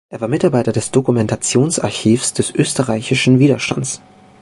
Er war Mitarbeiter des Dokumentationsarchivs des österreichischen Widerstandes.